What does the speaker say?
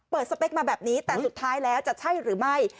สเปคมาแบบนี้แต่สุดท้ายแล้วจะใช่หรือไม่